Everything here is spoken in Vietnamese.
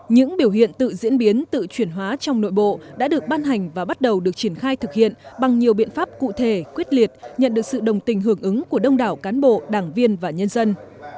những biểu hiện tự diễn biến tự chuyển hóa trong nội bộ đã được ban hành và bắt đầu được triển khai thực hiện bằng nhiều biện pháp cụ thể quyết liệt nhận được sự đồng tình hưởng ứng của đông đảo cán bộ đảng viên và nhân dân